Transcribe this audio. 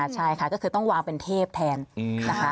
ใช่ค่ะก็คือต้องวางเป็นเทพแทนนะคะ